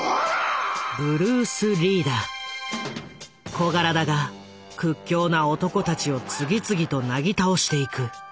小柄だが屈強な男たちを次々となぎ倒していく。